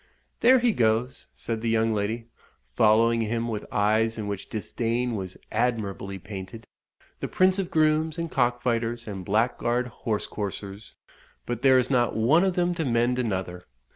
"There he goes," said the young lady, following him with eyes in which disdain was admirably painted "the prince of grooms and cock fighters, and blackguard horse coursers. But there is not one of them to mend another.